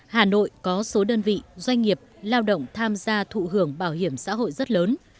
hà nội có số đơn vị doanh nghiệp lao động tham gia thụ hưởng bảo hiểm xã hội rất lớn